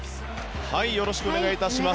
よろしくお願いします。